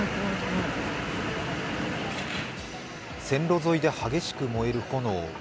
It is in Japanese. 線路沿いで激しく燃える炎。